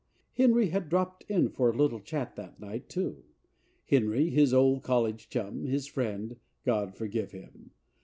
Henry had dropped in for a little chat that night, too. Henry, his old college chum; his friend, God forgive him!